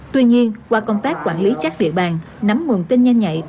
tuy nhiên qua công tác quản lý chắc địa bàn nắm nguồn tin nhanh nhạy